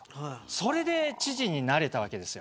それで知事になれたわけです。